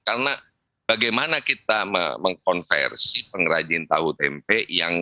karena bagaimana kita mengkonversi pengrajin tahu tempe